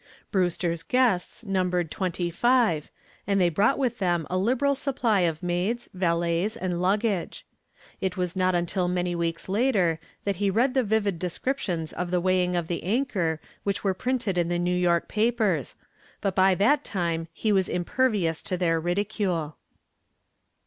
Brewster's guests numbered twenty five, and they brought with them a liberal supply of maids, valets, and luggage. It was not until many weeks later that he read the vivid descriptions of the weighing of the anchor which were printed in the New York papers, but by that time he was impervious to their ridicule.